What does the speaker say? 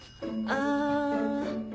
あぁ。